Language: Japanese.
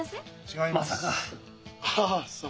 違います。